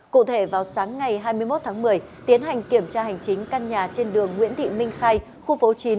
cụ thể vào sáng ngày hai mươi một tháng một mươi tiến hành kiểm tra hành chính căn nhà trên đường nguyễn thị minh khai khu phố chín